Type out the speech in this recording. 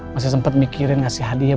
masih sempat mikirin ngasih hadiah